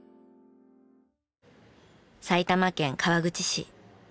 埼玉県川口市。